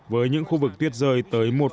với những khu vực tuyết rơi tới một hai mét